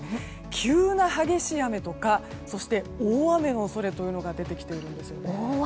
急な激しい雨とか大雨の恐れというのが出てきているんです。